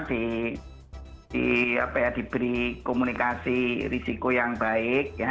terus diberi komunikasi risiko yang baik ya